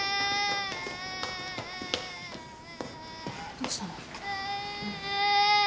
・どうしたの？